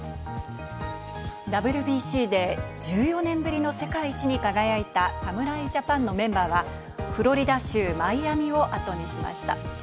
ＷＢＣで１４年ぶりの世界一に輝いた侍ジャパンのメンバーはフロリダ州マイアミをあとにしました。